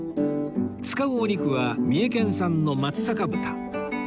使うお肉は三重県産の松阪豚